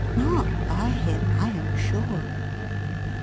Not by him, I am sure."